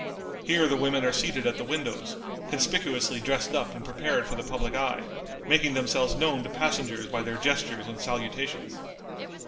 Here the women are seated at the windows, conspicuously dressed up and prepared for the public eye, making themselves known to passengers by their gestures and salutations.